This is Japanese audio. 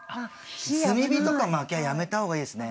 炭火とか薪はやめた方がいいですね。